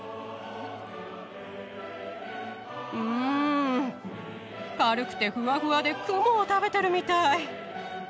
うん軽くてふわふわで雲を食べてるみたい。